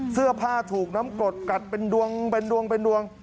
เสื้อผ้าถูกน้ำกรดกัดเป็นดวง